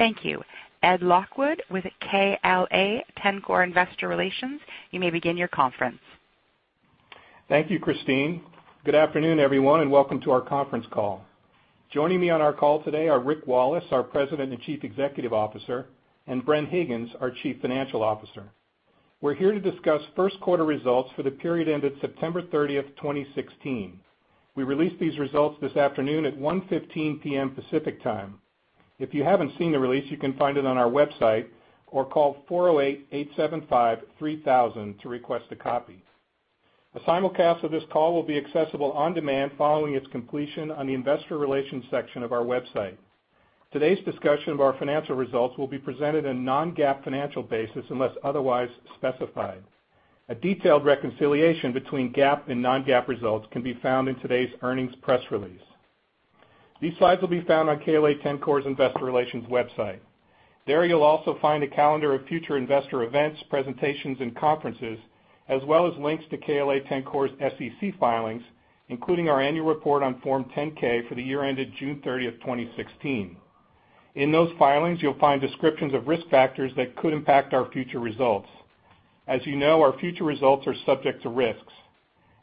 Thank you. Ed Lockwood with KLA-Tencor Investor Relations, you may begin your conference. Thank you, Christine. Good afternoon, everyone, and welcome to our conference call. Joining me on our call today are Rick Wallace, our President and Chief Executive Officer, and Bren Higgins, our Chief Financial Officer. We're here to discuss first quarter results for the period ended September 30th, 2016. We released these results this afternoon at 1:15 P.M. Pacific Time. If you haven't seen the release, you can find it on our website or call 408-875-3000 to request a copy. A simulcast of this call will be accessible on demand following its completion on the investor relations section of our website. Today's discussion of our financial results will be presented in non-GAAP financial basis unless otherwise specified. A detailed reconciliation between GAAP and non-GAAP results can be found in today's earnings press release. These slides will be found on KLA-Tencor's investor relations website. There you'll also find a calendar of future investor events, presentations, and conferences, as well as links to KLA-Tencor's SEC filings, including our annual report on Form 10-K for the year ended June 30th, 2016. In those filings, you'll find descriptions of risk factors that could impact our future results. As you know, our future results are subject to risks.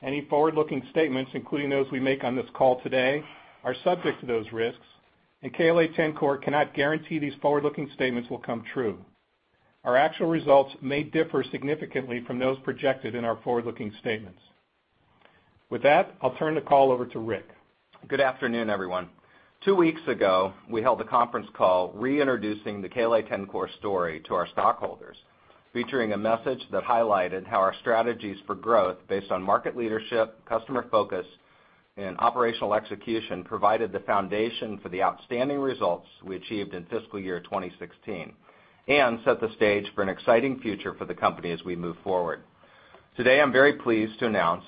Any forward-looking statements, including those we make on this call today, are subject to those risks, and KLA-Tencor cannot guarantee these forward-looking statements will come true. Our actual results may differ significantly from those projected in our forward-looking statements. With that, I'll turn the call over to Rick. Good afternoon, everyone. Two weeks ago, we held a conference call re-introducing the KLA-Tencor story to our stockholders, featuring a message that highlighted how our strategies for growth based on market leadership, customer focus, and operational execution provided the foundation for the outstanding results we achieved in fiscal year 2016 and set the stage for an exciting future for the company as we move forward. Today, I'm very pleased to announce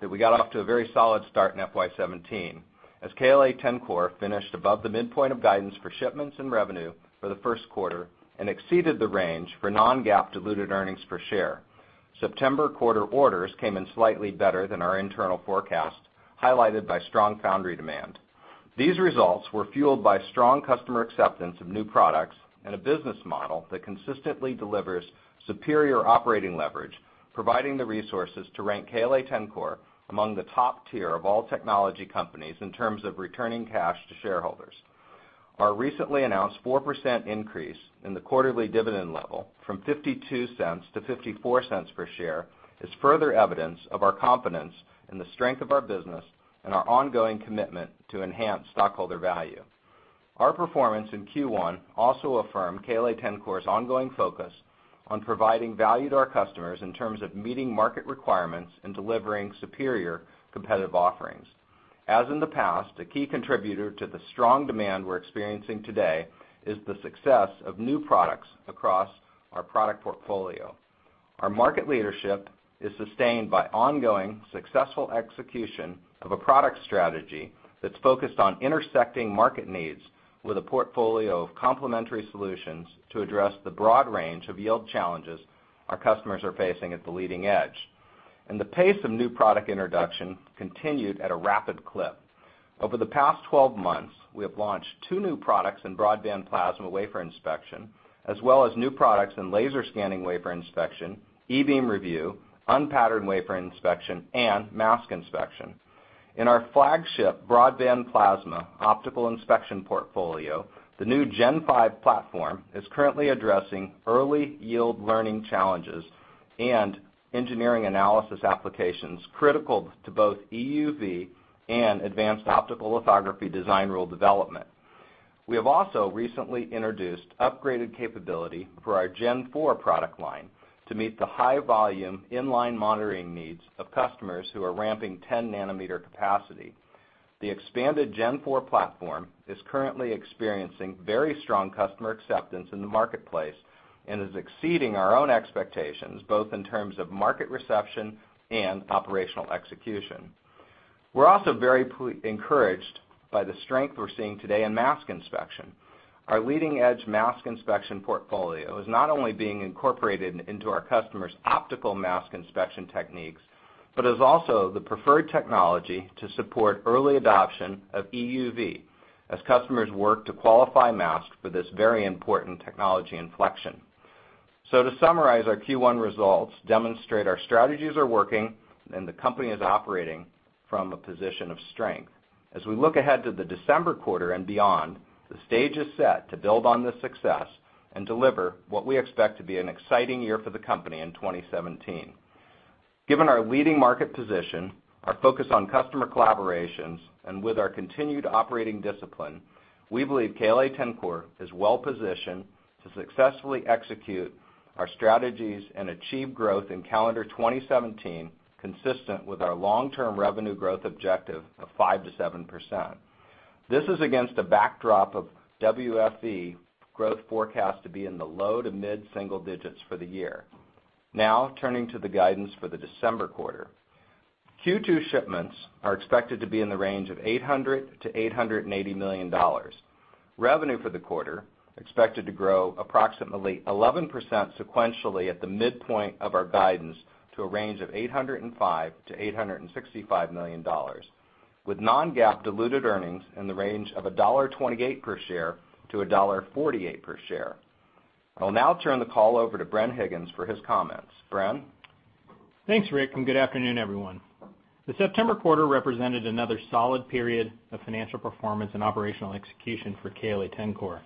that we got off to a very solid start in FY 2017 as KLA-Tencor finished above the midpoint of guidance for shipments and revenue for the first quarter and exceeded the range for non-GAAP diluted earnings per share. September quarter orders came in slightly better than our internal forecast, highlighted by strong foundry demand. These results were fueled by strong customer acceptance of new products and a business model that consistently delivers superior operating leverage, providing the resources to rank KLA-Tencor among the top tier of all technology companies in terms of returning cash to shareholders. Our recently announced 4% increase in the quarterly dividend level from $0.52 to $0.54 per share is further evidence of our confidence in the strength of our business and our ongoing commitment to enhance stockholder value. Our performance in Q1 also affirmed KLA-Tencor's ongoing focus on providing value to our customers in terms of meeting market requirements and delivering superior competitive offerings. As in the past, a key contributor to the strong demand we're experiencing today is the success of new products across our product portfolio. Our market leadership is sustained by ongoing successful execution of a product strategy that's focused on intersecting market needs with a portfolio of complementary solutions to address the broad range of yield challenges our customers are facing at the leading edge. The pace of new product introduction continued at a rapid clip. Over the past 12 months, we have launched two new products in broadband plasma wafer inspection, as well as new products in laser scanning wafer inspection, E-beam review, unpatterned wafer inspection, and mask inspection. In our flagship broadband plasma optical inspection portfolio, the new Gen 5 platform is currently addressing early yield learning challenges and engineering analysis applications critical to both EUV and advanced optical lithography design rule development. We have also recently introduced upgraded capability for our Gen 4 product line to meet the high volume inline monitoring needs of customers who are ramping 10 nanometer capacity. The expanded Gen 4 platform is currently experiencing very strong customer acceptance in the marketplace and is exceeding our own expectations, both in terms of market reception and operational execution. We're also very encouraged by the strength we're seeing today in mask inspection. Our leading edge mask inspection portfolio is not only being incorporated into our customers' optical mask inspection techniques, but is also the preferred technology to support early adoption of EUV as customers work to qualify masks for this very important technology inflection. To summarize, our Q1 results demonstrate our strategies are working and the company is operating from a position of strength. We look ahead to the December quarter and beyond, the stage is set to build on this success and deliver what we expect to be an exciting year for the company in 2017. Given our leading market position, our focus on customer collaborations, and with our continued operating discipline, we believe KLA-Tencor is well positioned to successfully execute our strategies and achieve growth in calendar 2017 consistent with our long-term revenue growth objective of 5%-7%. This is against a backdrop of WFE growth forecast to be in the low to mid-single digits for the year. Turning to the guidance for the December quarter. Q2 shipments are expected to be in the range of $800 million-$880 million. Revenue for the quarter expected to grow approximately 11% sequentially at the midpoint of our guidance to a range of $805 million-$865 million. With non-GAAP diluted earnings in the range of $1.28 per share to $1.48 per share. I will now turn the call over to Bren Higgins for his comments. Bren? Thanks, Rick. Good afternoon, everyone. The September quarter represented another solid period of financial performance and operational execution for KLA-Tencor.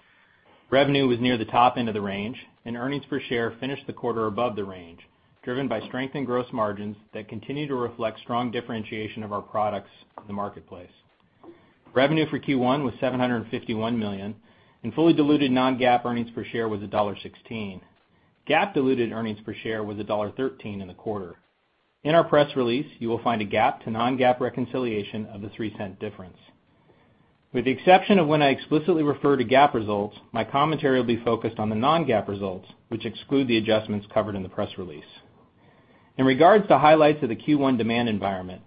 Revenue was near the top end of the range, and earnings per share finished the quarter above the range, driven by strengthened gross margins that continue to reflect strong differentiation of our products in the marketplace. Revenue for Q1 was $751 million, and fully diluted non-GAAP earnings per share was $1.16. GAAP diluted earnings per share was $1.13 in the quarter. In our press release, you will find a GAAP to non-GAAP reconciliation of the $0.03 difference. With the exception of when I explicitly refer to GAAP results, my commentary will be focused on the non-GAAP results, which exclude the adjustments covered in the press release. In regards to highlights of the Q1 demand environment,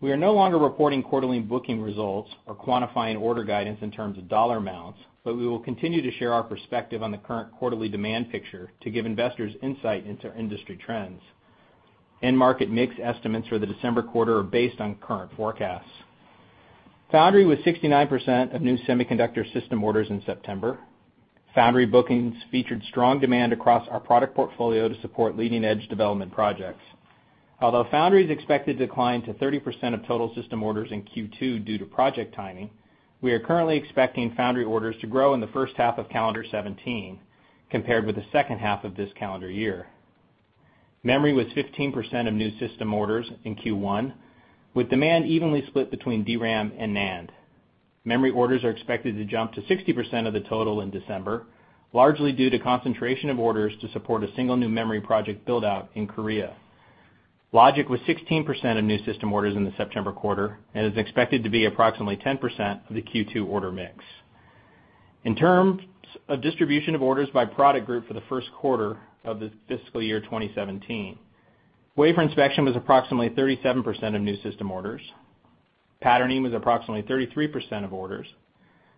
we are no longer reporting quarterly booking results or quantifying order guidance in terms of dollar amounts. We will continue to share our perspective on the current quarterly demand picture to give investors insight into industry trends. End market mix estimates for the December quarter are based on current forecasts. Foundry was 69% of new semiconductor system orders in September. Foundry bookings featured strong demand across our product portfolio to support leading-edge development projects. Although foundry is expected to decline to 30% of total system orders in Q2 due to project timing, we are currently expecting foundry orders to grow in the first half of calendar 2017, compared with the second half of this calendar year. Memory was 15% of new system orders in Q1, with demand evenly split between DRAM and NAND. Memory orders are expected to jump to 60% of the total in December, largely due to concentration of orders to support a single new memory project build-out in Korea. Logic was 16% of new system orders in the September quarter and is expected to be approximately 10% of the Q2 order mix. In terms of distribution of orders by product group for the first quarter of the fiscal year 2017, wafer inspection was approximately 37% of new system orders. Patterning was approximately 33% of orders.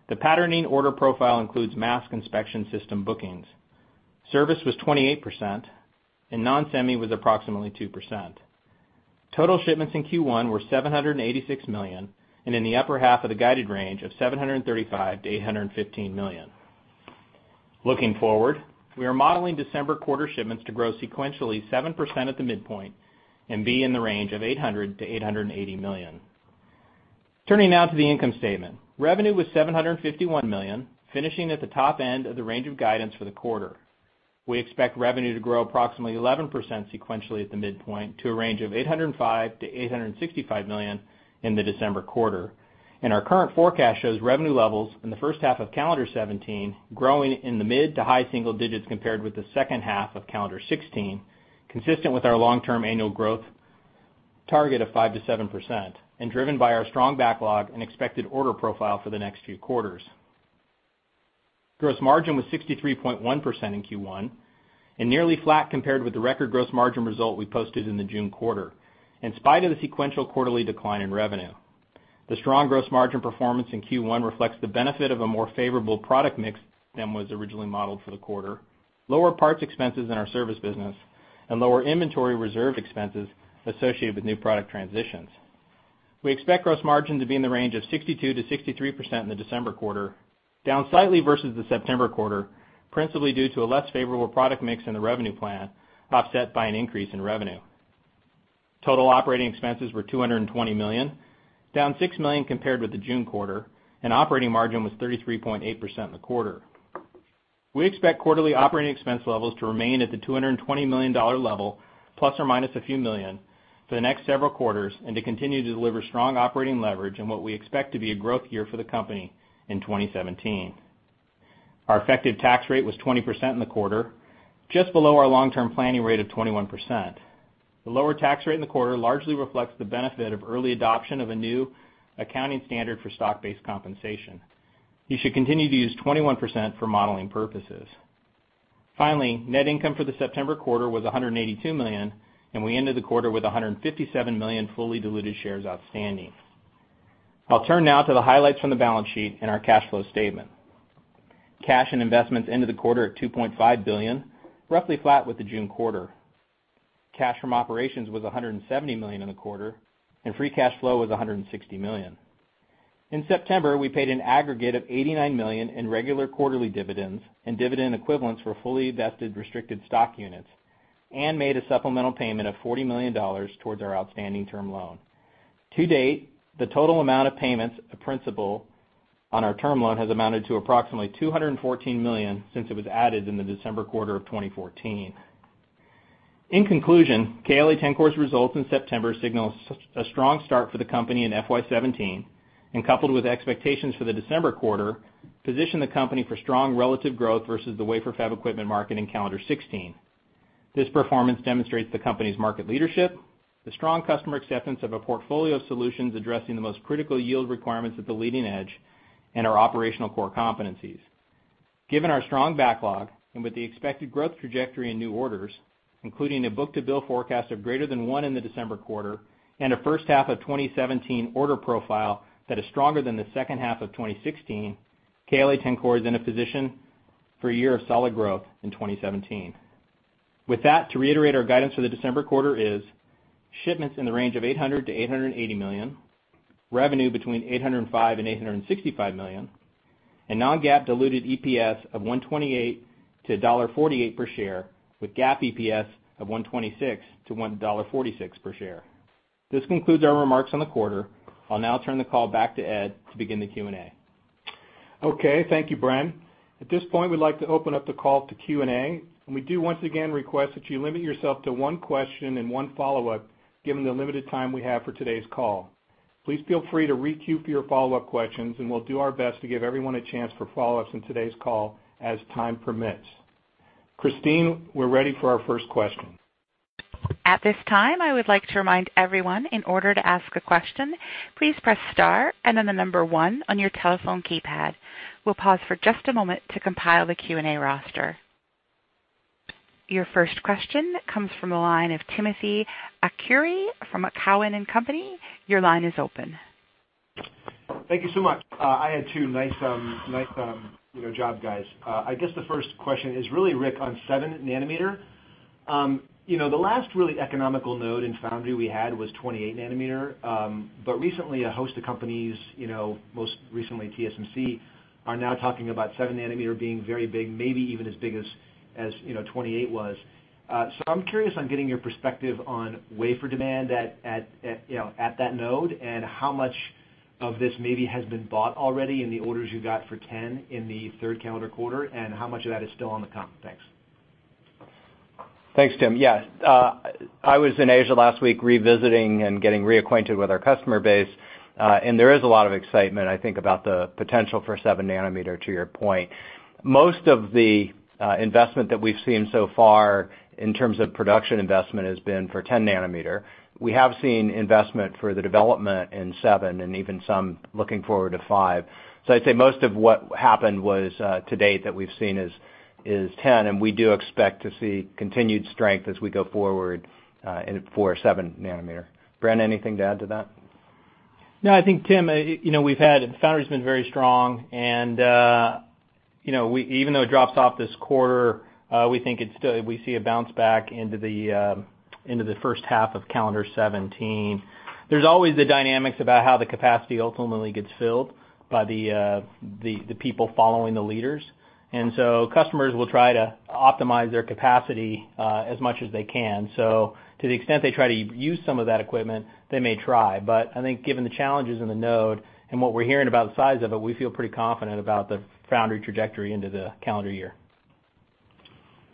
The patterning order profile includes mask inspection system bookings. Service was 28%, and non-semi was approximately 2%. Total shipments in Q1 were $786 million, and in the upper half of the guided range of $735 million-$815 million. Looking forward, we are modeling December quarter shipments to grow sequentially 7% at the midpoint and be in the range of $800 million-$880 million. Turning now to the income statement. Revenue was $751 million, finishing at the top end of the range of guidance for the quarter. We expect revenue to grow approximately 11% sequentially at the midpoint to a range of $805 million-$865 million in the December quarter. Our current forecast shows revenue levels in the first half of calendar 2017 growing in the mid to high single digits compared with the second half of calendar 2016, consistent with our long-term annual growth target of 5%-7%, and driven by our strong backlog and expected order profile for the next few quarters. Gross margin was 63.1% in Q1, and nearly flat compared with the record gross margin result we posted in the June quarter, in spite of the sequential quarterly decline in revenue. The strong gross margin performance in Q1 reflects the benefit of a more favorable product mix than was originally modeled for the quarter, lower parts expenses in our service business, and lower inventory reserve expenses associated with new product transitions. We expect gross margin to be in the range of 62%-63% in the December quarter, down slightly versus the September quarter, principally due to a less favorable product mix in the revenue plan, offset by an increase in revenue. Total operating expenses were $220 million, down $6 million compared with the June quarter, and operating margin was 33.8% in the quarter. We expect quarterly operating expense levels to remain at the $220 million level, plus or minus a few million, for the next several quarters, and to continue to deliver strong operating leverage in what we expect to be a growth year for the company in 2017. Our effective tax rate was 20% in the quarter, just below our long-term planning rate of 21%. The lower tax rate in the quarter largely reflects the benefit of early adoption of a new accounting standard for stock-based compensation. You should continue to use 21% for modeling purposes. Finally, net income for the September quarter was $182 million, and we ended the quarter with 157 million fully diluted shares outstanding. I'll turn now to the highlights from the balance sheet and our cash flow statement. Cash and investments into the quarter at $2.5 billion, roughly flat with the June quarter. Cash from operations was $170 million in the quarter, and free cash flow was $160 million. In September, we paid an aggregate of $89 million in regular quarterly dividends and dividend equivalents for fully vested restricted stock units, and made a supplemental payment of $40 million towards our outstanding term loan. To date, the total amount of payments of principal on our term loan has amounted to approximately $214 million since it was added in the December quarter of 2014. In conclusion, KLA-Tencor's results in September signals a strong start for the company in FY 2017, and coupled with expectations for the December quarter, position the company for strong relative growth versus the wafer fab equipment market in calendar 2016. This performance demonstrates the company's market leadership, the strong customer acceptance of a portfolio of solutions addressing the most critical yield requirements at the leading edge, and our operational core competencies. Given our strong backlog, with the expected growth trajectory in new orders, including a book-to-bill forecast of greater than one in the December quarter and a first half of 2017 order profile that is stronger than the second half of 2016, KLA-Tencor is in a position for a year of solid growth in 2017. To reiterate our guidance for the December quarter is shipments in the range of $800 million-$880 million, revenue between $805 million and $865 million, and non-GAAP diluted EPS of $1.28 to $1.48 per share, with GAAP EPS of $1.26 to $1.46 per share. This concludes our remarks on the quarter. I'll now turn the call back to Ed to begin the Q&A. Okay, thank you, Bren. At this point, we'd like to open up the call to Q&A. We do once again request that you limit yourself to one question and one follow-up, given the limited time we have for today's call. Feel free to re-queue for your follow-up questions. We'll do our best to give everyone a chance for follow-ups in today's call as time permits. Christine, we're ready for our first question. I would like to remind everyone, in order to ask a question, please press star and then the number one on your telephone keypad. We'll pause for just a moment to compile the Q&A roster. Your first question comes from the line of Timothy Arcuri from Cowen and Company. Your line is open. Thank you so much. I had two. Nice job, guys. The first question is really, Rick, on seven nanometer. The last really economical node in foundry we had was 28 nanometer. Recently, a host of companies, most recently TSMC, are now talking about seven nanometer being very big, maybe even as big as 28 was. I'm curious on getting your perspective on wafer demand at that node and how much of this maybe has been bought already in the orders you got for 10 in the third calendar quarter. How much of that is still on the comp? Thanks. Thanks, Tim. Yeah, I was in Asia last week revisiting and getting reacquainted with our customer base. There is a lot of excitement, I think, about the potential for seven nanometer, to your point. Most of the investment that we've seen so far in terms of production investment has been for 10 nanometer. We have seen investment for the development in seven and even some looking forward to five. I'd say most of what happened was to date that we've seen is 10, and we do expect to see continued strength as we go forward for seven nanometer. Bren, anything to add to that? No, I think, Tim, foundry's been very strong, and even though it drops off this quarter, we see a bounce back into the first half of calendar 2017. There's always the dynamics about how the capacity ultimately gets filled by the people following the leaders. Customers will try to optimize their capacity as much as they can. To the extent they try to use some of that equipment, they may try. I think given the challenges in the node and what we're hearing about the size of it, we feel pretty confident about the foundry trajectory into the calendar year.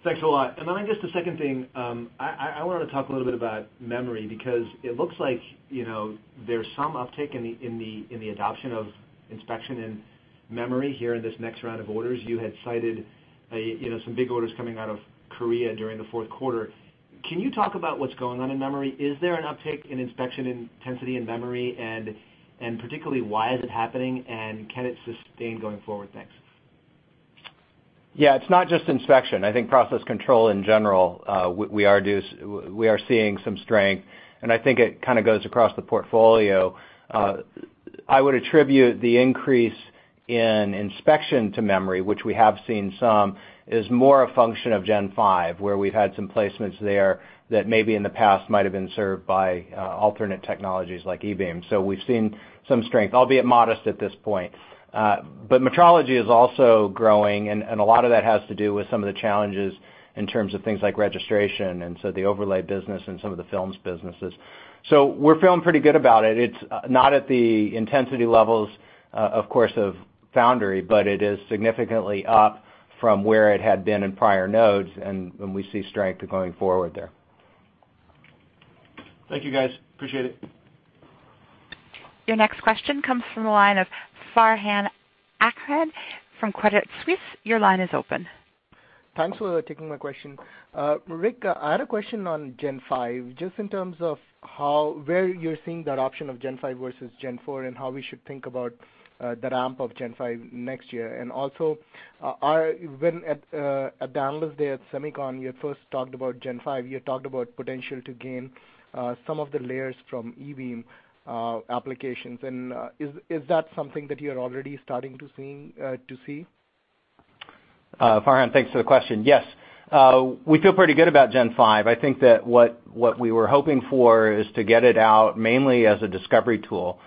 Thanks a lot. Just a second thing, I wanted to talk a little bit about memory, because it looks like there's some uptick in the adoption of inspection in memory here in this next round of orders. You had cited some big orders coming out of Korea during the fourth quarter. Can you talk about what's going on in memory? Is there an uptick in inspection intensity in memory, and particularly, why is it happening, and can it sustain going forward? Thanks. Yeah, it's not just inspection. I think process control in general, we are seeing some strength, and I think it kind of goes across the portfolio. I would attribute the increase in inspection to memory, which we have seen some, is more a function of Gen 5, where we've had some placements there that maybe in the past might have been served by alternate technologies like E-beam. We've seen some strength, albeit modest at this point. Metrology is also growing, and a lot of that has to do with some of the challenges in terms of things like registration and the overlay business and some of the films businesses. We're feeling pretty good about it. It's not at the intensity levels, of course, of foundry, but it is significantly up from where it had been in prior nodes, and we see strength going forward there. Thank you, guys. Appreciate it. Your next question comes from the line of Farhan Ahmad from Credit Suisse. Your line is open. Thanks for taking my question. Rick, I had a question on Gen 5, just in terms of where you're seeing the adoption of Gen 5 versus Gen 4, and how we should think about the ramp of Gen 5 next year. Also, when at Analyst Day at SEMICON, you had first talked about Gen 5, you had talked about potential to gain some of the layers from E-beam applications. Is that something that you're already starting to see? Farhan, thanks for the question. Yes, we feel pretty good about Gen 5. I think that what we were hoping for is to get it out mainly as a discovery tool.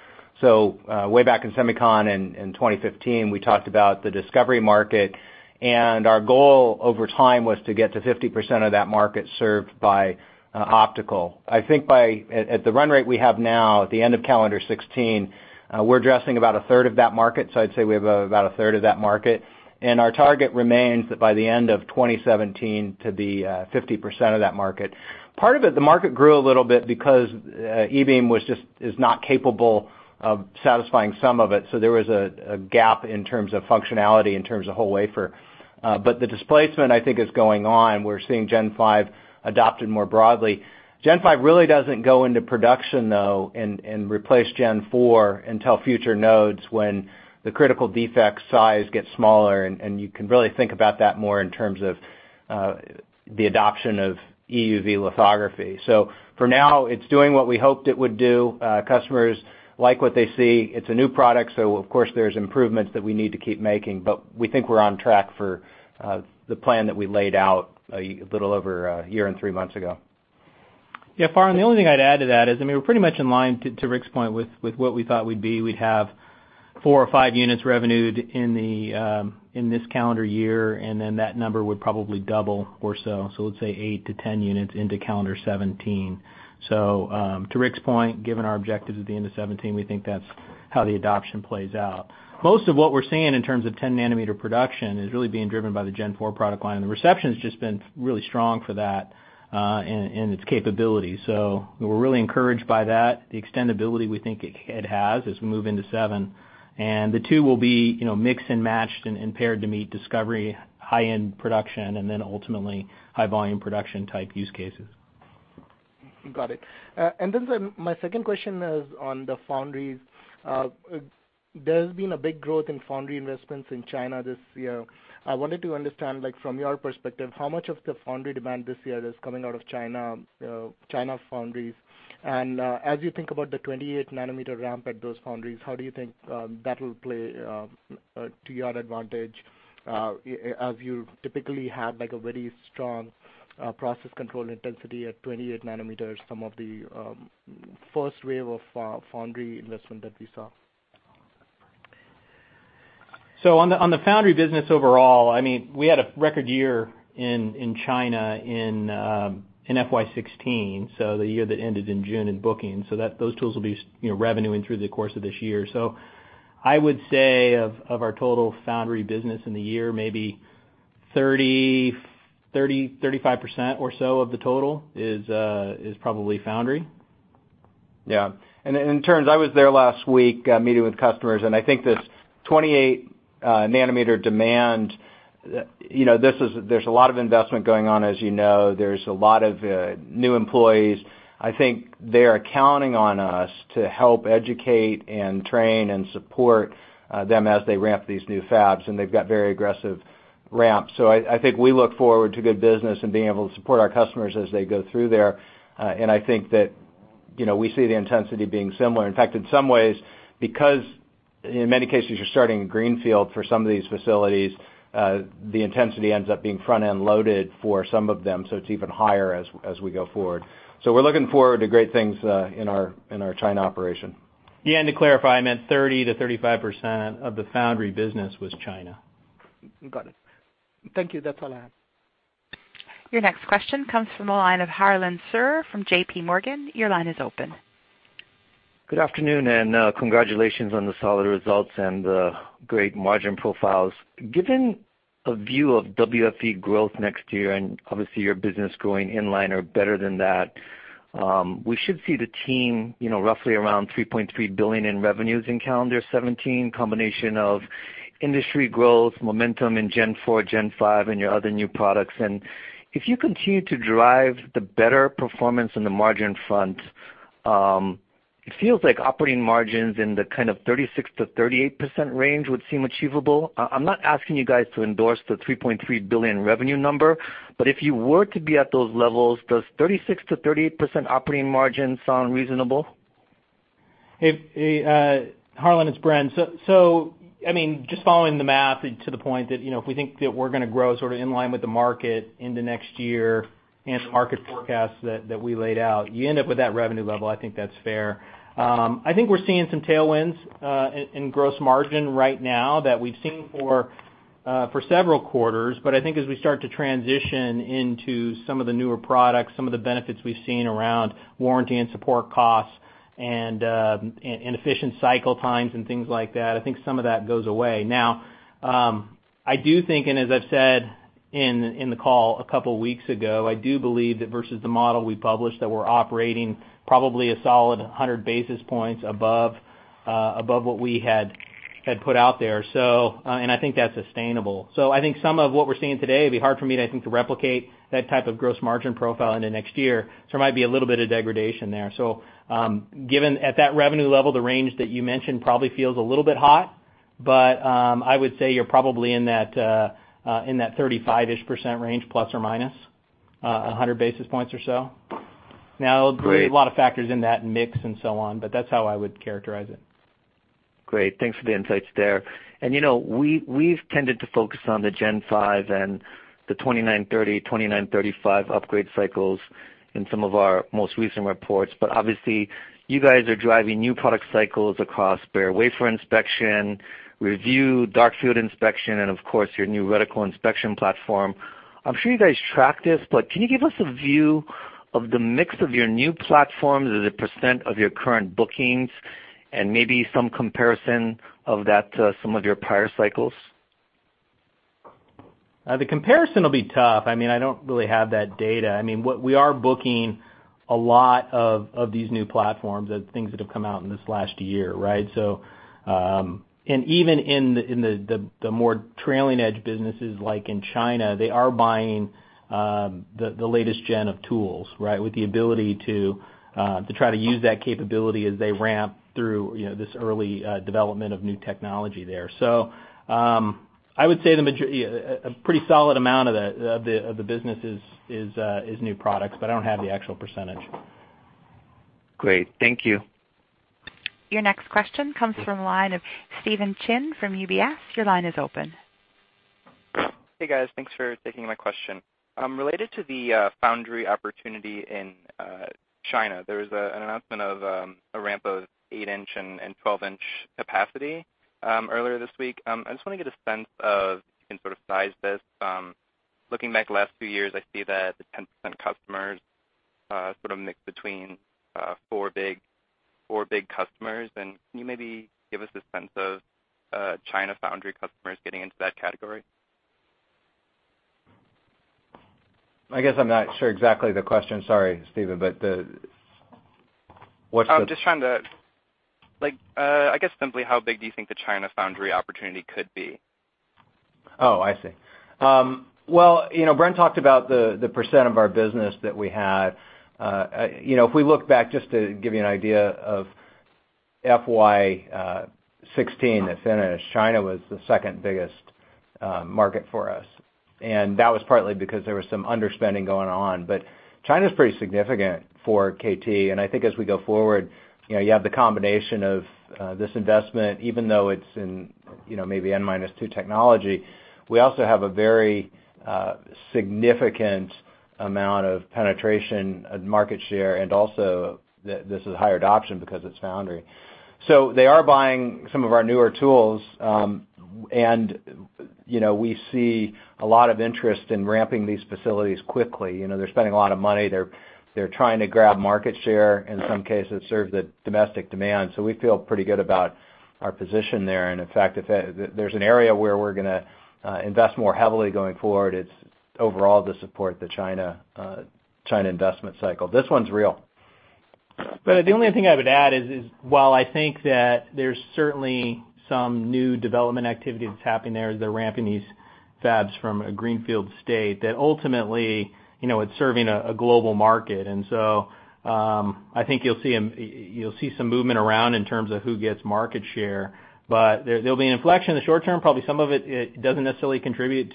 Way back in SEMICON in 2015, we talked about the discovery market, and our goal over time was to get to 50% of that market served by optical. I think at the run rate we have now at the end of calendar 2016, we're addressing about a third of that market, so I'd say we have about a third of that market. Our target remains that by the end of 2017 to be 50% of that market. Part of it, the market grew a little bit because E-beam is not capable of satisfying some of it, so there was a gap in terms of functionality, in terms of whole wafer. The displacement I think is going on. We're seeing Gen 5 adopted more broadly. Gen 5 really doesn't go into production, though, and replace Gen 4 until future nodes when the critical defect size gets smaller, and you can really think about that more in terms of the adoption of EUV lithography. For now, it's doing what we hoped it would do. Customers like what they see. It's a new product, so of course, there's improvements that we need to keep making, but we think we're on track for the plan that we laid out a little over a year and three months ago. Yeah, Farhan, the only thing I'd add to that is, we're pretty much in line, to Rick's point, with what we thought we'd be. We'd have four or five units revenued in this calendar year, and then that number would probably double or so. Let's say eight to 10 units into calendar 2017. To Rick's point, given our objectives at the end of 2017, we think that's how the adoption plays out. Most of what we're seeing in terms of 10 nanometer production is really being driven by the Gen 4 product line, and the reception's just been really strong for that and its capability. We're really encouraged by that, the extendibility we think it has as we move into seven. The two will be mixed and matched and paired to meet discovery, high-end production, and then ultimately high-volume production type use cases. Got it. Then my second question is on the foundries. There's been a big growth in foundry investments in China this year. I wanted to understand from your perspective, how much of the foundry demand this year is coming out of China foundries. As you think about the 28 nanometer ramp at those foundries, how do you think that will play to your advantage, as you typically have a very strong process control intensity at 28 nanometers, some of the first wave of foundry investment that we saw? On the foundry business overall, we had a record year in China in FY 2016, so the year that ended in June in booking. Those tools will be revenuing through the course of this year. I would say of our total foundry business in the year, maybe 30, 35% or so of the total is probably foundry. I was there last week, meeting with customers, and I think this 28 nanometer demand, there's a lot of investment going on, as you know. There's a lot of new employees. I think they are counting on us to help educate and train and support them as they ramp these new fabs, and they've got very aggressive ramps. I think we look forward to good business and being able to support our customers as they go through there. I think that we see the intensity being similar. In fact, in some ways, because in many cases you're starting greenfield for some of these facilities, the intensity ends up being front-end loaded for some of them, so it's even higher as we go forward. We're looking forward to great things in our China operation. To clarify, I meant 30%-35% of the foundry business was China. Got it. Thank you. That's all I have. Your next question comes from the line of Harlan Sur from J.P. Morgan. Your line is open. Good afternoon, congratulations on the solid results and the great margin profiles. Given a view of WFE growth next year, obviously your business growing in line or better than that, we should see the team roughly around $3.3 billion in revenues in calendar 2017, combination of industry growth, momentum in Gen 4, Gen 5, and your other new products. If you continue to drive the better performance on the margin front, it feels like operating margins in the kind of 36%-38% range would seem achievable. I'm not asking you guys to endorse the $3.3 billion revenue number, but if you were to be at those levels, does 36%-38% operating margin sound reasonable? Harlan, it's Bren. Just following the math to the point that if we think that we're going to grow sort of in line with the market into next year and the market forecast that we laid out, you end up with that revenue level, I think that's fair. I think we're seeing some tailwinds in gross margin right now that we've seen for several quarters. I think as we start to transition into some of the newer products, some of the benefits we've seen around warranty and support costs and efficient cycle times and things like that, I think some of that goes away. I do think, as I've said in the call a couple weeks ago, I do believe that versus the model we published, that we're operating probably a solid 100 basis points above what we had put out there. I think that's sustainable. I think some of what we're seeing today, it'd be hard for me, I think, to replicate that type of gross margin profile into next year. There might be a little bit of degradation there. Given at that revenue level, the range that you mentioned probably feels a little bit hot, but I would say you're probably in that 35-ish% range, ±100 basis points or so. Great. There'll be a lot of factors in that mix and so on, but that's how I would characterize it. Great. Thanks for the insights there. We've tended to focus on the Gen 5 and the 2930, 2935 upgrade cycles in some of our most recent reports, obviously you guys are driving new product cycles across bare wafer inspection, review, dark field inspection, and of course, your new reticle inspection platform. I'm sure you guys track this, but can you give us a view of the mix of your new platforms as a % of your current bookings and maybe some comparison of that to some of your prior cycles? The comparison will be tough. I don't really have that data. We are booking a lot of these new platforms, the things that have come out in this last year, right? Even in the more trailing edge businesses like in China, they are buying the latest gen of tools, with the ability to try to use that capability as they ramp through this early development of new technology there. I would say a pretty solid amount of the business is new products, but I don't have the actual %. Great. Thank you. Your next question comes from the line of Stephen Chin from UBS. Your line is open. Hey, guys. Thanks for taking my question. Related to the foundry opportunity in China, there was an announcement of a ramp of 8-inch and 12-inch capacity earlier this week. I just want to get a sense of, you can sort of size this. Looking back the last few years, I see that the 10% customers sort of mix between four big customers. Can you maybe give us a sense of China foundry customers getting into that category? I guess I'm not sure exactly the question. Sorry, Stephen, what's the- I'm just trying to how big do you think the China foundry opportunity could be? Oh, I see. Well, Bren talked about the % of our business that we had. If we look back, just to give you an idea of FY 2016 that finished, China was the second biggest market for us, and that was partly because there was some underspending going on. China's pretty significant for KLA-Tencor, and I think as we go forward, you have the combination of this investment, even though it's in maybe N-2 technology. We also have a very significant amount of penetration and market share, and also this is higher adoption because it's foundry. They are buying some of our newer tools, and we see a lot of interest in ramping these facilities quickly. They're spending a lot of money. They're trying to grab market share, in some cases, serve the domestic demand. We feel pretty good about our position there. In fact, if there's an area where we're going to invest more heavily going forward, it's overall to support the China investment cycle. This one's real. The only thing I would add is while I think that there's certainly some new development activity that's happening there as they're ramping these fabs from a greenfield state, that ultimately, it's serving a global market. I think you'll see some movement around in terms of who gets market share, but there'll be an inflection in the short term, probably some of it doesn't necessarily contribute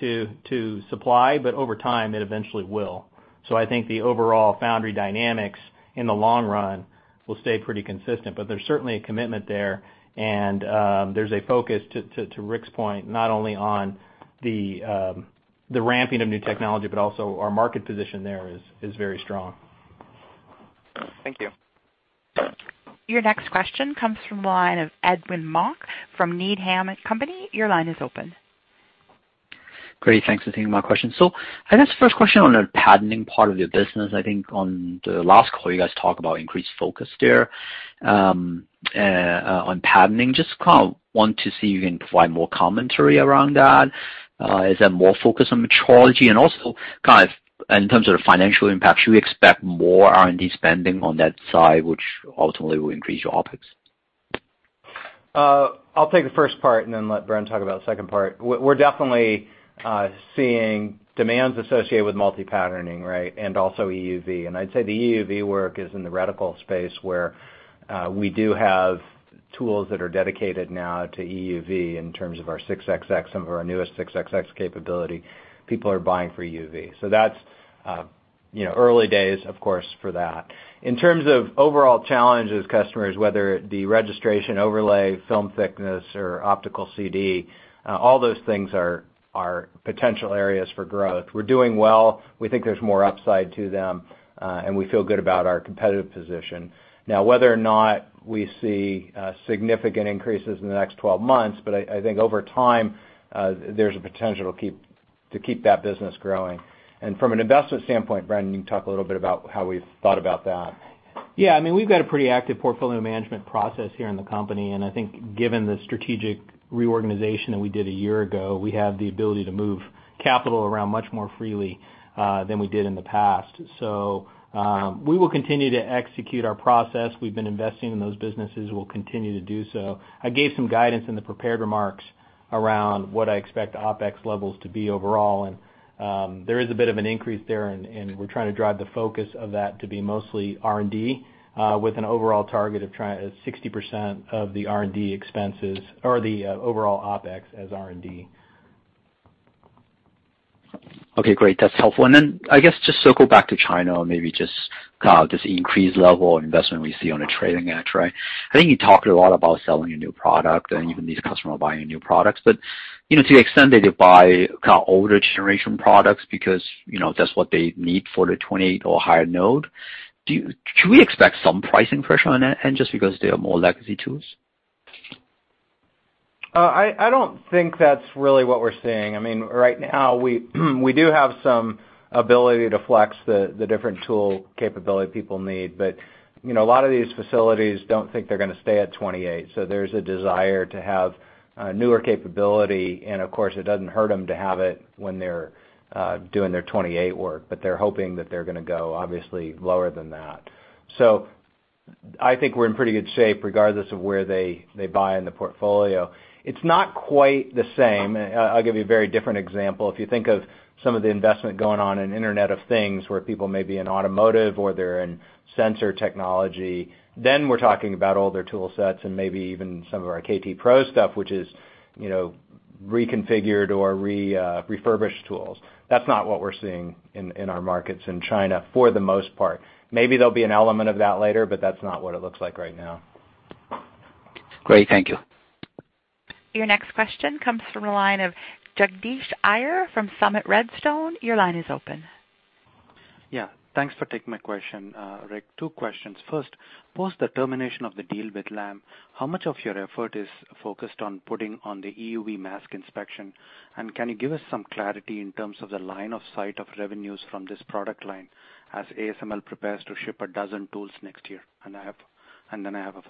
to supply. Over time, it eventually will. I think the overall foundry dynamics, in the long run, will stay pretty consistent. There's certainly a commitment there, and there's a focus, to Rick's point, not only on the ramping of new technology, but also our market position there is very strong. Thank you. Your next question comes from the line of Edwin Mok from Needham & Company. Your line is open. Great. Thanks for taking my question. I guess first question on the patterning part of your business, I think on the last call, you guys talked about increased focus there on patterning. Just kind of want to see if you can provide more commentary around that. Is that more focused on metrology? Also kind of in terms of the financial impact, should we expect more R&D spending on that side, which ultimately will increase your OpEx? I'll take the first part and then let Bren talk about the second part. We're definitely seeing demands associated with multi-patterning, right, and also EUV. I'd say the EUV work is in the reticle space, where we do have tools that are dedicated now to EUV in terms of our 6xx, some of our newest 6xx capability people are buying for EUV. That's early days, of course, for that. In terms of overall challenges, customers, whether it be registration overlay, film thickness, or OCD, all those things are potential areas for growth. We're doing well. We think there's more upside to them, and we feel good about our competitive position. Whether or not we see significant increases in the next 12 months, I think over time, there's a potential to keep that business growing. From an investment standpoint, Bren, you can talk a little bit about how we've thought about that. We've got a pretty active portfolio management process here in the company, and I think given the strategic reorganization that we did a year ago, we have the ability to move capital around much more freely than we did in the past. We will continue to execute our process. We've been investing in those businesses, we'll continue to do so. I gave some guidance in the prepared remarks around what I expect OpEx levels to be overall. There is a bit of an increase there, and we're trying to drive the focus of that to be mostly R&D, with an overall target of trying 60% of the R&D expenses or the overall OpEx as R&D. Okay, great. That's helpful. I guess just circle back to China and maybe just kind of this increased level of investment we see on a trailing edge, right? I think you talked a lot about selling a new product, and even these customers are buying new products. To the extent that they buy kind of older generation products because that's what they need for the 28 or higher node, should we expect some pricing pressure on that end just because they are more legacy tools? I don't think that's really what we're seeing. Right now, we do have some ability to flex the different tool capability people need. A lot of these facilities don't think they're going to stay at 28, there's a desire to have a newer capability, and of course, it doesn't hurt them to have it when they're doing their 28 work. They're hoping that they're going to go obviously lower than that. I think we're in pretty good shape regardless of where they buy in the portfolio. It's not quite the same. I'll give you a very different example. If you think of some of the investment going on in Internet of Things, where people may be in automotive or they're in sensor technology, then we're talking about older tool sets and maybe even some of our KLA-Tencor Pro stuff, which is reconfigured or refurbished tools. That's not what we're seeing in our markets in China for the most part. Maybe there'll be an element of that later, that's not what it looks like right now. Great. Thank you. Your next question comes from the line of Jagadish Iyer from Summit Redstone. Your line is open. Yeah. Thanks for taking my question. Rick, two questions. First, post the termination of the deal with Lam, how much of your effort is focused on putting on the EUV mask inspection? Can you give us some clarity in terms of the line of sight of revenues from this product line as ASML prepares to ship a dozen tools next year? Then I have a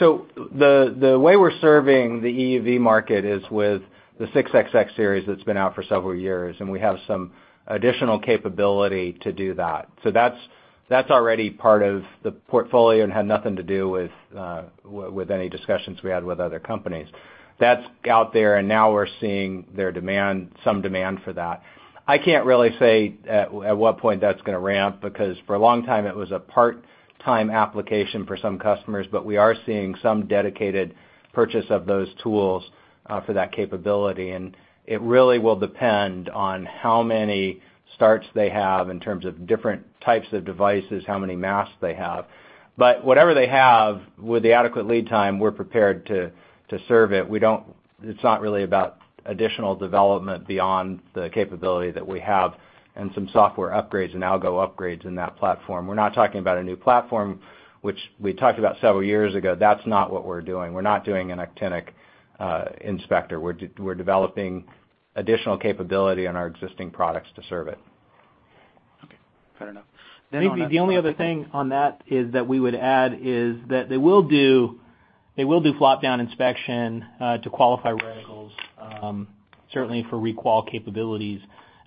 follow-up. The way we're serving the EUV market is with the 6xx series that's been out for several years, and we have some additional capability to do that. That's already part of the portfolio and had nothing to do with any discussions we had with other companies. That's out there, and now we're seeing some demand for that. I can't really say at what point that's going to ramp, because for a long time it was a part-time application for some customers, but we are seeing some dedicated purchase of those tools for that capability. It really will depend on how many starts they have in terms of different types of devices, how many masks they have. Whatever they have, with the adequate lead time, we're prepared to serve it. It's not really about additional development beyond the capability that we have and some software upgrades and algo upgrades in that platform. We're not talking about a new platform, which we talked about several years ago. That's not what we're doing. We're not doing an actinic inspector. We're developing additional capability on our existing products to serve it. Okay. Fair enough. Maybe the only other thing on that is that they will do flop down inspection to qualify reticles, certainly for requal capabilities,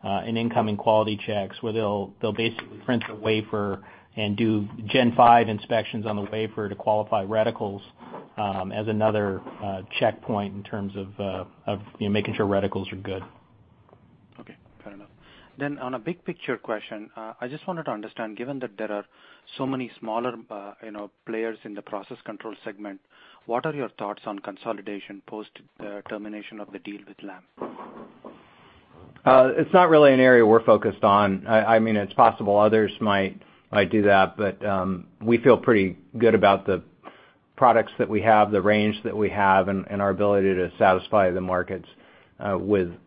and incoming quality checks, where they'll basically print the wafer and do Gen 5 inspections on the wafer to qualify reticles as another checkpoint in terms of making sure reticles are good. Okay. Fair enough. On a big picture question, I just wanted to understand, given that there are so many smaller players in the process control segment, what are your thoughts on consolidation post the termination of the deal with Lam? It's not really an area we're focused on. It's possible others might do that, but we feel pretty good about the products that we have, the range that we have, and our ability to satisfy the markets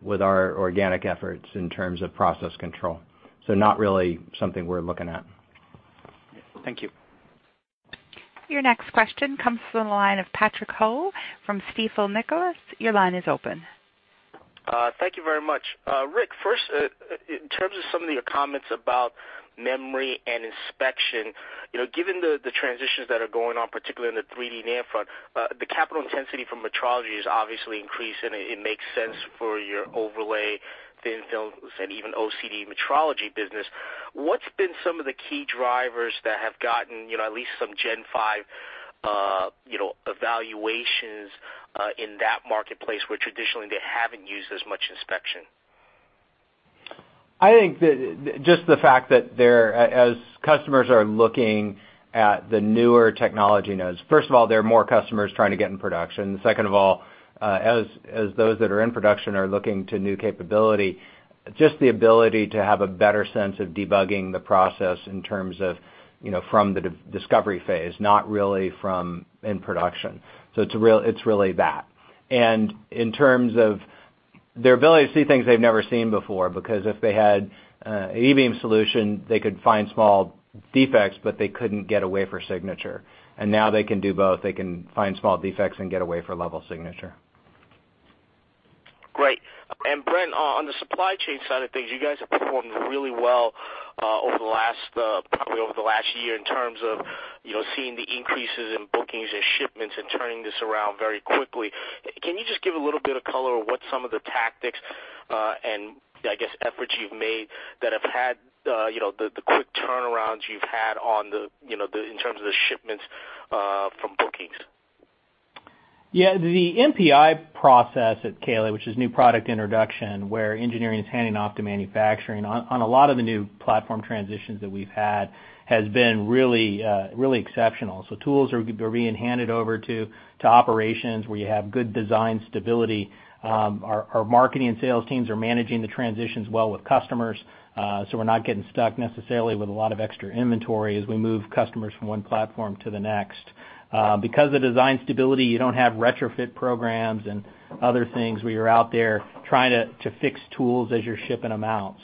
with our organic efforts in terms of process control. Not really something we're looking at. Thank you. Your next question comes from the line of Patrick Ho from Stifel Nicolaus. Your line is open. Thank you very much. Rick, first, in terms of some of your comments about memory and inspection, given the transitions that are going on, particularly in the 3D NAND front, the capital intensity from metrology is obviously increasing, and it makes sense for your overlay, thin films, and even OCD metrology business. What's been some of the key drivers that have gotten at least some Gen 5 evaluations in that marketplace where traditionally they haven't used as much inspection? I think that just the fact that as customers are looking at the newer technology nodes. First of all, there are more customers trying to get in production. Second of all, as those that are in production are looking to new capability, just the ability to have a better sense of debugging the process in terms of from the discovery phase, not really from in production. It's really that. In terms of their ability to see things they've never seen before, because if they had an E-beam solution, they could find small defects, but they couldn't get a wafer signature. Now they can do both. They can find small defects and get a wafer level signature. Great. Bren, on the supply chain side of things, you guys have performed really well over the last year in terms of seeing the increases in bookings and shipments and turning this around very quickly. Can you just give a little bit of color on what some of the tactics, and I guess efforts you've made that have had the quick turnarounds you've had in terms of the shipments from bookings? Yeah. The NPI process at KLA, which is new product introduction, where engineering is handing off to manufacturing on a lot of the new platform transitions that we've had, has been really exceptional. Tools are being handed over to operations where you have good design stability. Our marketing and sales teams are managing the transitions well with customers, so we're not getting stuck necessarily with a lot of extra inventory as we move customers from one platform to the next. Because of design stability, you don't have retrofit programs and other things where you're out there trying to fix tools as you're shipping them out.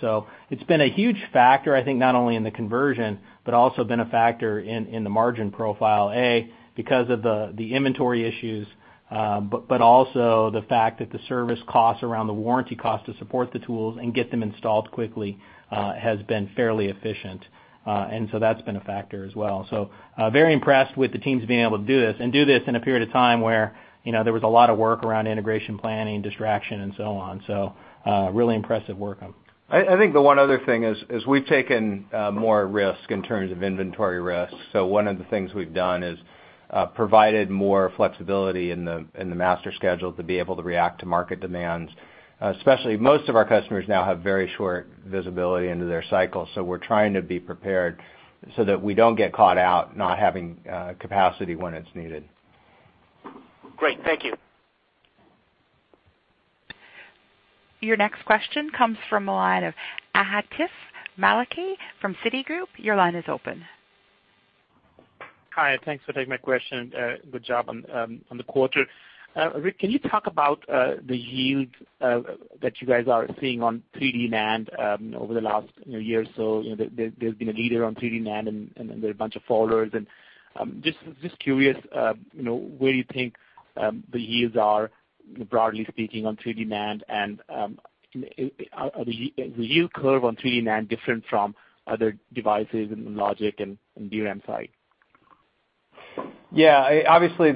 It's been a huge factor, I think, not only in the conversion, but also been a factor in the margin profile, A, because of the inventory issues. Also the fact that the service costs around the warranty cost to support the tools and get them installed quickly, has been fairly efficient. That's been a factor as well. Very impressed with the teams being able to do this, and do this in a period of time where there was a lot of work around integration planning, distraction, and so on. Really impressive work. I think the one other thing is we've taken more risk in terms of inventory risk. One of the things we've done is provided more flexibility in the master schedule to be able to react to market demands. Especially most of our customers now have very short visibility into their cycle, so we're trying to be prepared so that we don't get caught out not having capacity when it's needed. Great. Thank you. Your next question comes from the line of Atif Malik from Citigroup. Your line is open. Hi, thanks for taking my question. Good job on the quarter. Rick, can you talk about the yield that you guys are seeing on 3D NAND over the last year or so? There's been a leader on 3D NAND, and there are a bunch of followers. Just curious, where you think the yields are, broadly speaking, on 3D NAND, and is the yield curve on 3D NAND different from other devices in the logic and DRAM side? Yeah. Obviously,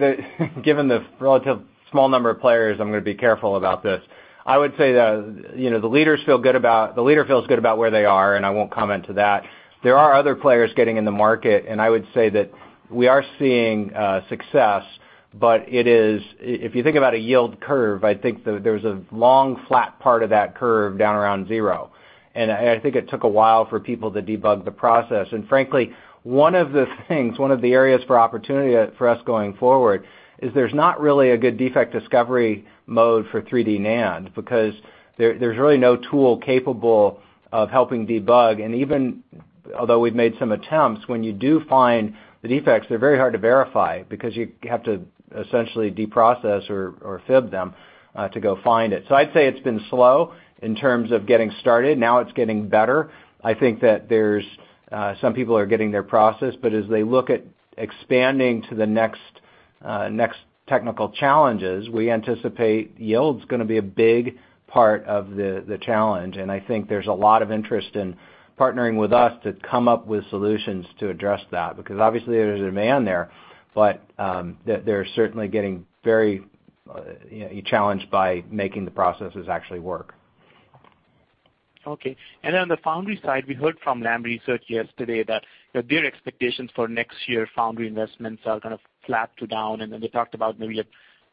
given the relative small number of players, I'm going to be careful about this. I would say the leader feels good about where they are, and I won't comment to that. There are other players getting in the market, and I would say that we are seeing success, but if you think about a yield curve, I think there's a long flat part of that curve down around zero. I think it took a while for people to debug the process. Frankly, one of the things, one of the areas for opportunity for us going forward, is there's not really a good defect discovery mode for 3D NAND, because there's really no tool capable of helping debug. Even although we've made some attempts, when you do find the defects, they're very hard to verify because you have to essentially deprocess or FIB them, to go find it. I'd say it's been slow in terms of getting started. Now it's getting better. I think that some people are getting their process, but as they look at expanding to the next technical challenges, we anticipate yield's going to be a big part of the challenge. I think there's a lot of interest in partnering with us to come up with solutions to address that, because obviously there's a demand there, but they're certainly getting very challenged by making the processes actually work. Okay. On the foundry side, we heard from Lam Research yesterday that their expectations for next year foundry investments are kind of flat to down, then they talked about maybe a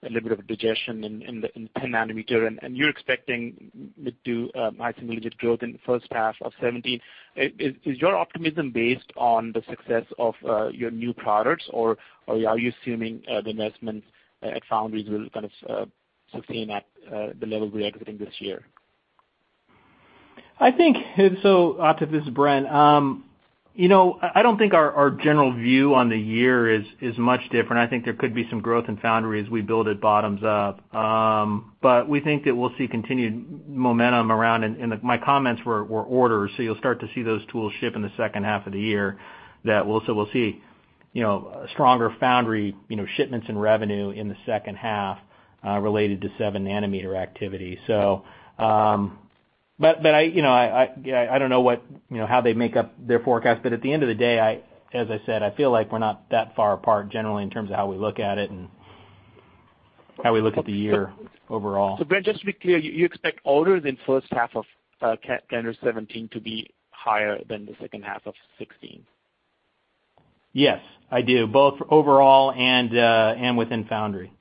little bit of a digestion in the 10 nanometer, and you're expecting mid to high single digit growth in the first half of 2017. Is your optimism based on the success of your new products, or are you assuming the investments at foundries will kind of sustain at the level we are exiting this year? I think so. This is Bren. I don't think our general view on the year is much different. I think there could be some growth in foundry as we build it bottoms up. We think that we'll see continued momentum around, and my comments were orders. You'll start to see those tools ship in the second half of the year. We'll see stronger foundry shipments and revenue in the second half, related to 7 nanometer activity. I don't know how they make up their forecast. At the end of the day, as I said, I feel like we're not that far apart generally in terms of how we look at it and how we look at the year overall. Bren, just to be clear, you expect orders in first half of calendar 2017 to be higher than the second half of 2016. Yes, I do, both overall and within foundry.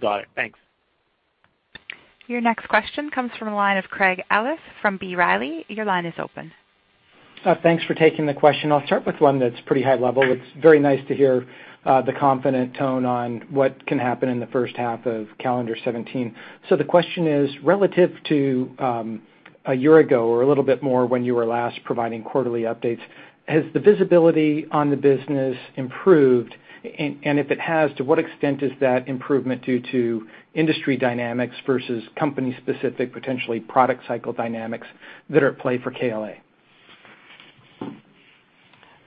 Got it. Thanks. Your next question comes from a line of Craig Ellis from B. Riley. Your line is open. Thanks for taking the question. I'll start with one that's pretty high level. It's very nice to hear the confident tone on what can happen in the first half of calendar 2017. The question is, relative to a year ago or a little bit more when you were last providing quarterly updates, has the visibility on the business improved? If it has, to what extent is that improvement due to industry dynamics versus company specific, potentially product cycle dynamics that are at play for KLA?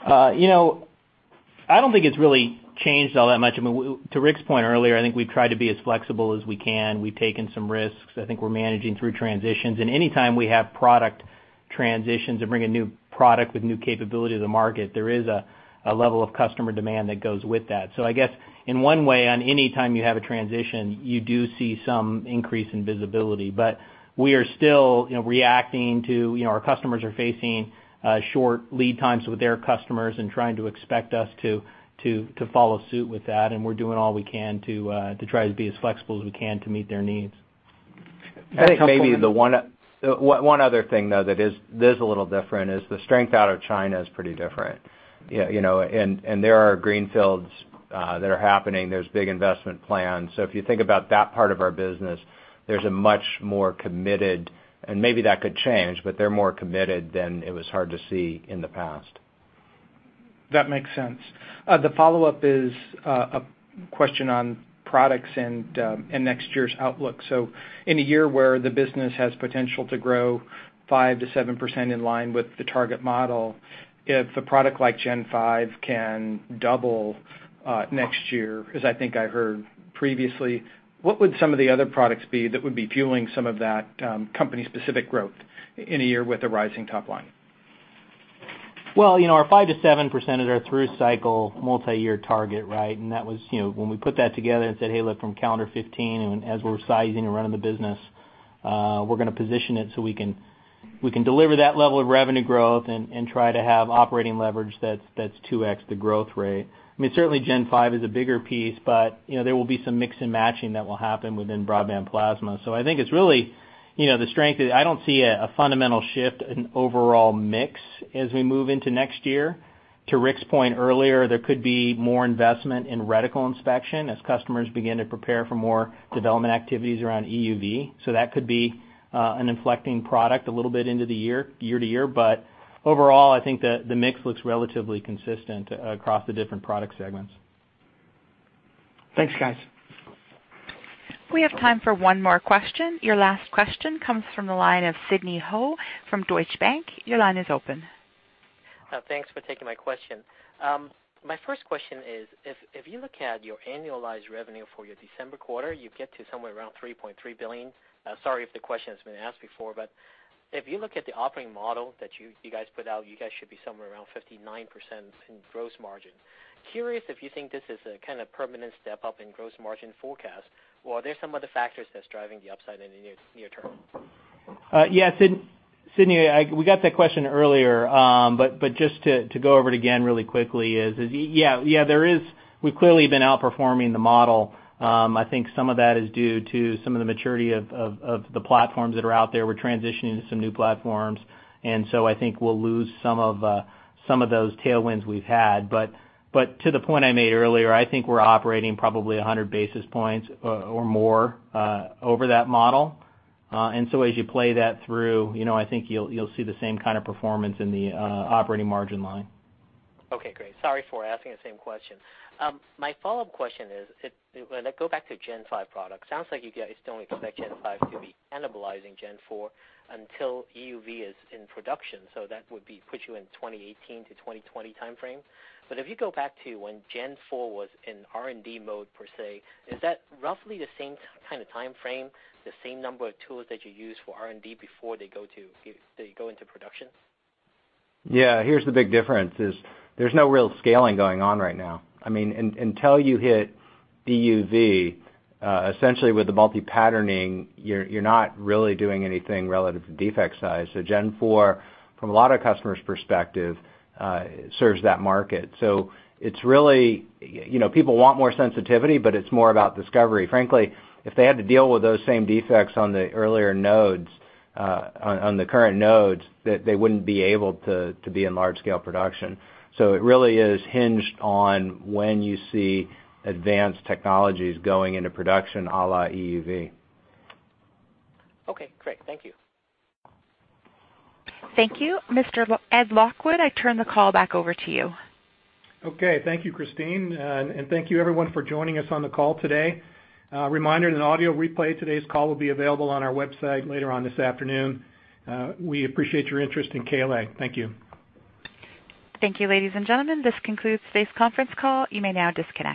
I don't think it's really changed all that much. To Rick's point earlier, I think we've tried to be as flexible as we can. We've taken some risks. I think we're managing through transitions, and any time we have product transitions or bring a new product with new capability to the market, there is a level of customer demand that goes with that. I guess in one way, on any time you have a transition, you do see some increase in visibility. We are still reacting to our customers are facing short lead times with their customers and trying to expect us to follow suit with that, and we're doing all we can to try to be as flexible as we can to meet their needs. One other thing, though, that is a little different is the strength out of China is pretty different. There are greenfields that are happening. There's big investment plans. If you think about that part of our business, there's a much more committed, and maybe that could change, but they're more committed than it was hard to see in the past. That makes sense. The follow-up is a question on products and next year's outlook. In a year where the business has potential to grow 5%-7% in line with the target model, if a product like Gen 5 can double, next year, as I think I heard previously, what would some of the other products be that would be fueling some of that company specific growth in a year with a rising top line? Well, our 5%-7% is our through cycle multi-year target, right? When we put that together and said, hey, look, from calendar 2015, and as we're sizing and running the business, we're going to position it so we can deliver that level of revenue growth and try to have operating leverage that's 2x the growth rate. Certainly Gen 5 is a bigger piece, but there will be some mix and matching that will happen within broadband plasma. I think it's really the strength. I don't see a fundamental shift in overall mix as we move into next year. To Rick's point earlier, there could be more investment in reticle inspection as customers begin to prepare for more development activities around EUV. That could be an inflecting product a little bit into the year to year. Overall, I think the mix looks relatively consistent across the different product segments. Thanks, guys. We have time for one more question. Your last question comes from the line of Sidney Ho from Deutsche Bank. Your line is open. Thanks for taking my question. My first question is, if you look at your annualized revenue for your December quarter, you get to somewhere around $3.3 billion. Sorry if the question has been asked before, if you look at the operating model that you guys put out, you guys should be somewhere around 59% in gross margin. Curious if you think this is a kind of permanent step up in gross margin forecast, or are there some other factors that's driving the upside in the near term? Yeah, Sidney, we got that question earlier, but just to go over it again really quickly is, yeah, we've clearly been outperforming the model. I think some of that is due to some of the maturity of the platforms that are out there. We're transitioning to some new platforms, I think we'll lose some of those tailwinds we've had. To the point I made earlier, I think we're operating probably 100 basis points or more over that model. As you play that through, I think you'll see the same kind of performance in the operating margin line. Okay, great. Sorry for asking the same question. My follow-up question is, when I go back to Gen 5 products, sounds like you guys don't expect Gen 5 to be cannibalizing Gen 4 until EUV is in production, so that would put you in 2018 to 2020 timeframe. If you go back to when Gen 4 was in R&D mode, per se, is that roughly the same kind of timeframe, the same number of tools that you use for R&D before they go into production? Yeah, here's the big difference is there's no real scaling going on right now. Until you hit EUV, essentially with the multi-patterning, you're not really doing anything relative to defect size. Gen 4, from a lot of customers' perspective, serves that market. People want more sensitivity, but it's more about discovery. Frankly, if they had to deal with those same defects on the current nodes, they wouldn't be able to be in large-scale production. It really is hinged on when you see advanced technologies going into production à la EUV. Okay, great. Thank you. Thank you. Mr. Ed Lockwood, I turn the call back over to you. Okay, thank you, Christine, and thank you everyone for joining us on the call today. A reminder that an audio replay of today's call will be available on our website later on this afternoon. We appreciate your interest in KLA. Thank you. Thank you, ladies and gentlemen. This concludes today's conference call. You may now disconnect.